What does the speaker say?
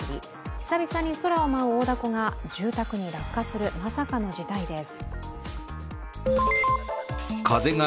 久々に空を舞う大凧が住宅に落下するまさかの事態です。